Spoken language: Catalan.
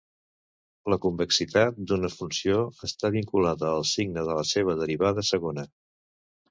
La convexitat d'una funció està vinculada al signe de la seva derivada segona.